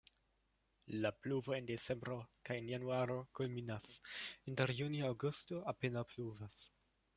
La pluvo en decembro kaj en januaro kulminas, inter junio-aŭgusto apenaŭ pluvas.